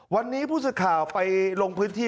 วันนี้พูดสิทธิ์ข่าวไปลงพื้นที่